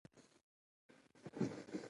هغه هغې ته د ښایسته شپه ګلان ډالۍ هم کړل.